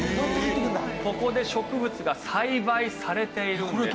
ここで植物が栽培されているんです。